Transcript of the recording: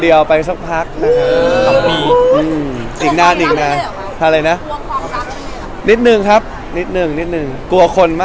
เดี๋ยวว่าจะไปเที่ยวคนเดียวอยู่